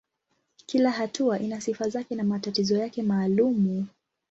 Kila hatua ina sifa zake na matatizo yake maalumu.